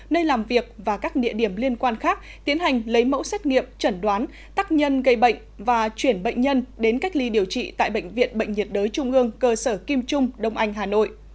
nơi làm việc và các địa điểm liên quan khác tiến hành lấy mẫu xét nghiệm chẩn đoán tắc nhân gây bệnh và chuyển bệnh nhân đến cách ly điều trị tại bệnh viện bệnh nhiệt đới trung ương cơ sở kim trung đông anh hà nội